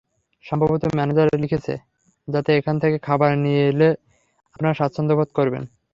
সম্ভবত ম্যানেজার লিখেছে, যাতে এখান থেকে খাবার নিলে আপনারা স্বাচ্ছন্দ্যবোধ করবেন।